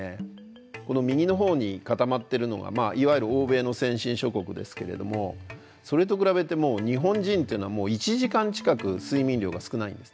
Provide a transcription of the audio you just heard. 右のほうに固まってるのがいわゆる欧米の先進諸国ですけれどもそれと比べて日本人っていうのは１時間近く睡眠量が少ないんですね。